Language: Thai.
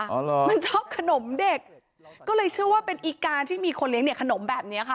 อ๋อเหรอมันชอบขนมเด็กก็เลยเชื่อว่าเป็นอีกาที่มีคนเลี้ยเนี่ยขนมแบบนี้ค่ะ